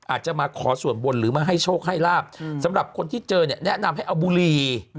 อาจจะมาขอส่วนบนหรือมาให้โชคให้ลาบสำหรับคนที่เจอเนี่ยแนะนำให้เอาบุรี